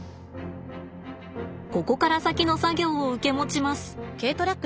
ここから先の作業を受け持ちます。